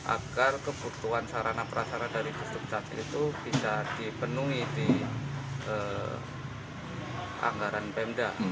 agar kebutuhan sarana prasara dari gus dukcapil itu bisa dipenuhi di anggaran pemda